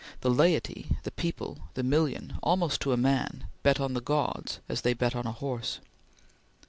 The laity, the people, the million, almost to a man, bet on the gods as they bet on a horse.